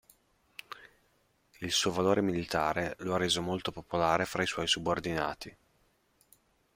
Il suo valore militare lo ha reso molto popolare fra i suoi subordinati.